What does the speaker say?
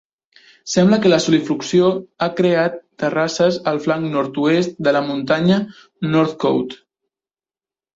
Sembla que la solifluxió ha creat terrasses al flanc nord-oest de la muntanya Northcote.